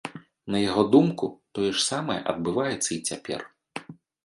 На яго думку, тое ж самае адбываецца і цяпер.